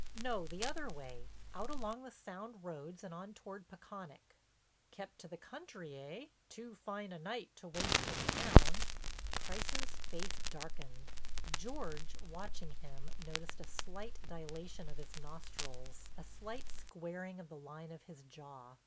"No, the other way, out along the Sound roads and on toward Peconic." "Kept to the country, eh? Too fine a night to waste in town." Price's face darkened. George watching him noticed a slight dilation of his nostrils, a slight squaring of the line of his jaw.